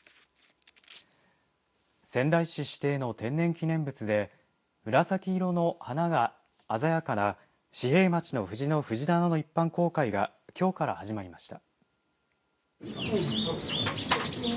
仙台市指定の天然記念物で紫色の花が鮮やかな子平町の藤の藤棚の一般公開がきょうから始まりました。